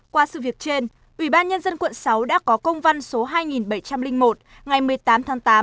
qua sự việc trên ubnd quận sáu đã có công văn số hai nghìn bảy trăm linh một ngày một mươi tám tháng tám